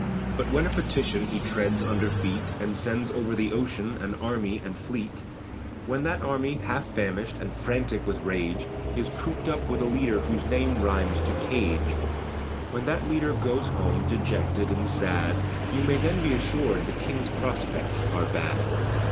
But when a Petition he treads under feet, And sends over the ocean an army and fleet, When that army, half famished, and frantic with rage, Is cooped up with a leader whose name rhymes to cage; When that leader goes home, dejected and sad; You may then be assur'd the King's prospects are bad.